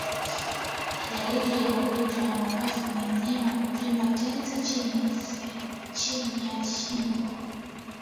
Dalili ya ugonjwa wa mapafu ni mnyama kuvimba tezi chini ya shingo